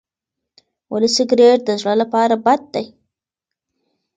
ولې سګریټ د زړه لپاره بد دی؟